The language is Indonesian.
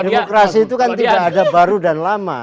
demokrasi itu kan tidak ada baru dan lama